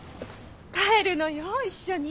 帰るのよ一緒に。